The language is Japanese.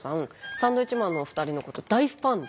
サンドウィッチマンのお二人のこと大ファンで。